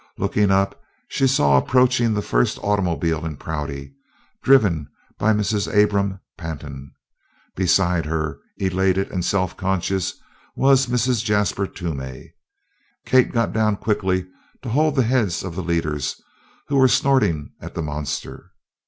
Looking up she saw approaching the first automobile in Prouty, driven by Mrs. Abram Pantin. Beside her, elated and self conscious, was Mrs. Jasper Toomey. Kate got down quickly to hold the heads of the leaders, who were snorting at the monster.